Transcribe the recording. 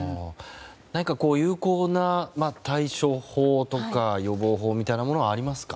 何か有効な対処法とか予防法はありますか？